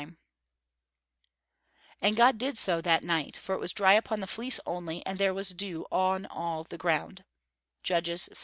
[Verse: "And God did so that night: for it was dry upon the fleece only, and there was dew on all the ground," JUDGES VI.